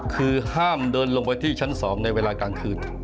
คือห้ามเดินลงไปที่ชั้น๒ในเวลากลางคืน